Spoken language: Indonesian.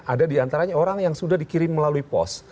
ada diantaranya orang yang sudah dikirim melalui pos